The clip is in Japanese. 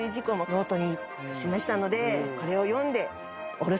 ノートに示したのでこれを読んで。